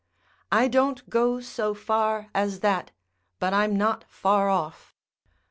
I don't go so far as that, but I'm not far off.